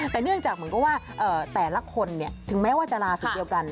แต่เนื่องจากแต่ละคนถึงแม้ว่าจะลาศีเดียวกัน